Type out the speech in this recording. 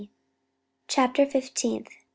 Chapter Fifteenth.